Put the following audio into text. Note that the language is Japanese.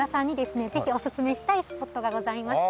ぜひおすすめしたいスポットがございまして。